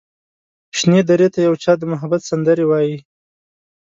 شنې درې ته د یو چا د محبت سندرې وايي